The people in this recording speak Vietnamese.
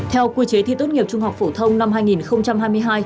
theo quy chế thi tốt nghiệp trung học phổ thông năm hai nghìn hai mươi hai